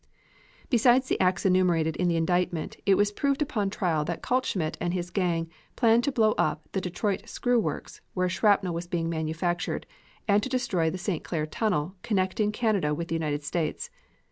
Besides the acts enumerated in the indictment it was proved upon trial that Kaltschmidt and his gang planned to blow up the Detroit Screw Works where shrapnel was being manufactured, and to destroy the St. Clair tunnel, connecting Canada with the United States.